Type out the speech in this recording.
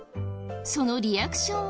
そのリアクションは？